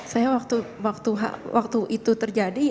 saya waktu itu terjadi